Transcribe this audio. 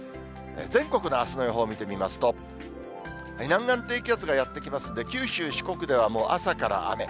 全国のあすの予報見てみますと、南岸低気圧がやって来ますんで、九州、四国ではもう朝から雨。